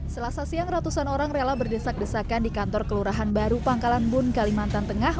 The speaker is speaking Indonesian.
selasa siang ratusan orang rela berdesak desakan di kantor kelurahan baru pangkalan bun kalimantan tengah